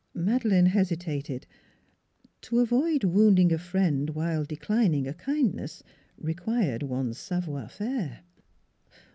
NEIGHBORS 271 Madeleine hesitated: to avoid wounding a friend while declining a kindness required one's savoir faire.